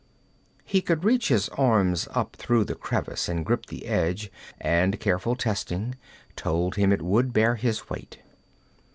He could reach his arms up through the crevice and grip the edge, and careful testing told him it would bear his weight.